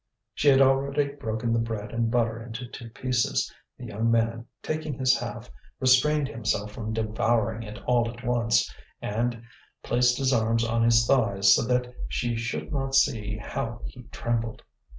She had already broken the bread and butter into two pieces. The young man, taking his half, restrained himself from devouring it all at once, and placed his arms on his thighs, so that she should not see how he trembled.